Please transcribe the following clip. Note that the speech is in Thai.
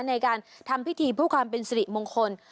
ในการทำพิธีเพื่อความเป็นสิริมงคล